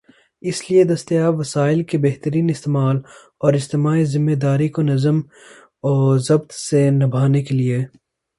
اس لئے دستیاب وسائل کے بہترین استعمال اور اجتماعی ذمہ داری کو نظم و ضبط سے نبھانے کے لئے